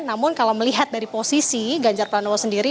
namun kalau melihat dari posisi ganjar pranowo sendiri